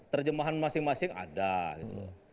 terjemahan masing masing ada gitu loh